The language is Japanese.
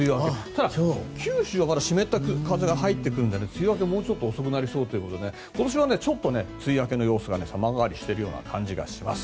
ただ九州は湿った風が入ってくるので梅雨明けもうちょっと遅くなりそうということで今年はちょっと梅雨明けの様子が様変わりしている感じがします。